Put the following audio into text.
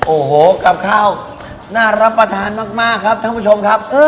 โอ้โหกับข้าวน่ารับประทานมากครับท่านผู้ชมครับ